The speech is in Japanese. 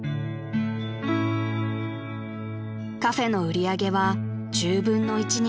［カフェの売り上げは１０分の１にまで激減］